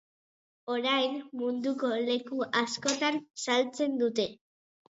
Orain munduko leku askotan saltzen dute.